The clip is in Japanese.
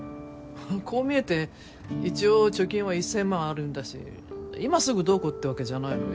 こう見えて一応貯金は１，０００万あるんだし今すぐどうこうってわけじゃないのよ。